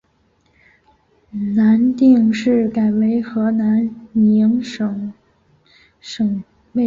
南定市改为河南宁省省莅。